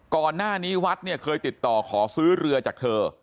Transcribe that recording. ก่อนหน้านี้วัดเนี่ยเคยติดต่อขอซื้อเรือจากเธอ